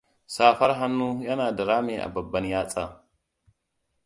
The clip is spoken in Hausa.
Safar hannu yana da rami a babban yatsa.